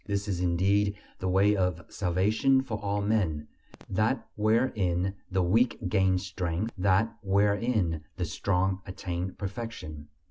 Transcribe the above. This is indeed the way of salvation for all men: that wherein the weak gain strength that wherein the strong attain perfection.